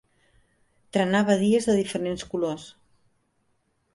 Trenar badies de diferents colors.